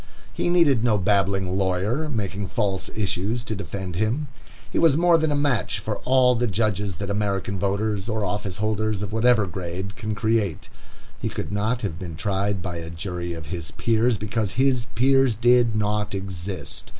He needed no babbling lawyer, making false issues, to defend him. He was more than a match for all the judges that American voters, or office holders of whatever grade, can create. He could not have been tried by a jury of his peers, because his peers did not exist.